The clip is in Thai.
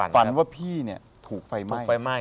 ฝันว่าพี่ถูกไฟไหม้